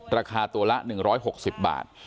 ราคาตัวละ๑๖๐บาท